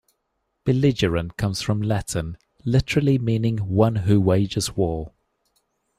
Belligerent comes from Latin, literally meaning "one who wages war".